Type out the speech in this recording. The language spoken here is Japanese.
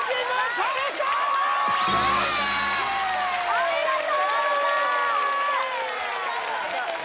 お見事ー！